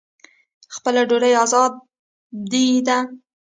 خپله ډوډۍ ازادي ده.